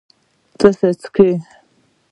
څه څښې؟